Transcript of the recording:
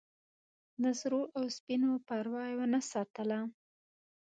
د سرو او سپینو پروا ونه ساتله.